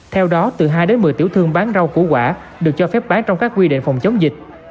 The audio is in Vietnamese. theo đó từ hai đến một mươi tiểu thương bán rau củ quả được cho phép bán trong các quy định phòng chống dịch